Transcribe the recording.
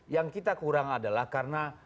yang kita kurang adalah karena